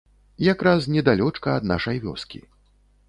Якраз недалёчка ад нашай вёскі.